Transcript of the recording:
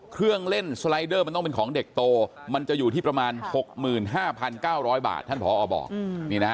เครื่องเล่นสไลเดอร์มันต้องเป็นของเด็กโตมันจะอยู่ที่ประมาณ๖๕๙๐๐บาทท่านผอบอกนี่นะฮะ